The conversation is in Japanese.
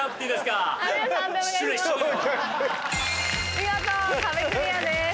見事壁クリアです。